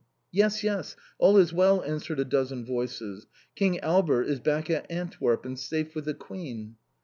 "Yes, yes, all is well," answered a dozen voices. "King Albert is back at Antwerp, and safe with the Queen!"